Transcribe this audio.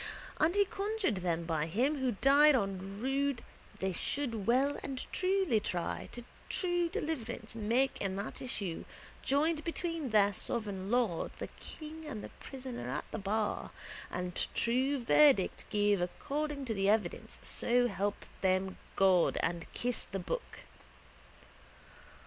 And he conjured them by Him who died on rood that they should well and truly try and true deliverance make in the issue joined between their sovereign lord the king and the prisoner at the bar and true verdict give according to the evidence so help them God and kiss the book.